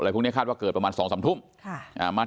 แล้วก็ช่วยกันนำนายธีรวรรษส่งโรงพยาบาล